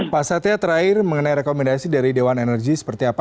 pasarnya terakhir mengenai rekomendasi dari dewan energi seperti apa